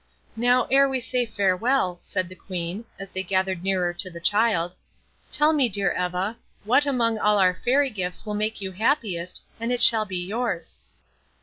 "Now, ere we say farewell," said the Queen, as they gathered nearer to the child, "tell me, dear Eva, what among all our Fairy gifts will make you happiest, and it shall be yours."